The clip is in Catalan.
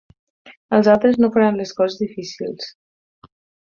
Els altres no faran les coses difícils.